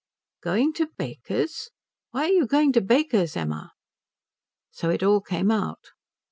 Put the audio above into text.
"Going to Baker's? Why are you going to Baker's, Emma?" So it all came out.